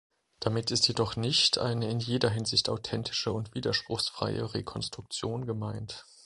Damit ist jedoch nicht eine in jeder Hinsicht authentische und widerspruchsfreie Rekonstruktion gemeint.